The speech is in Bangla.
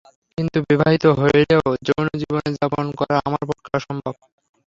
কিন্তু বিবাহিত হইলেও যৌন-জীবন যাপন করা আমার পক্ষে অসম্ভব।